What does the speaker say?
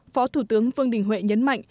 phó thủ tướng vương đình huệ nhấn mạnh